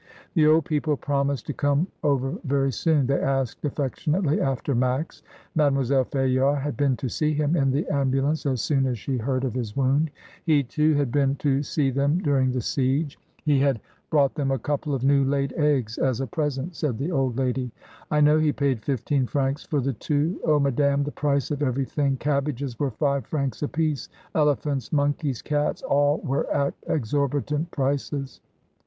The old people promised to come over voy soon. They asked affectionately after Max. Made moiselle Fayard had been to see him in the ambu lance as soon as she heard of his wound. He, too, had been to see them during the siege. He had ADIEU LES SONGES d'OR. JQI brought them a couple of new laid eggs "as a present," said the old lady. "I know he paid fifteen francs for the two. Oh, madame, the price of every thing! Cabbages were five francs apiece! Elephants, monkeys, cats, all were at exorbitant prices."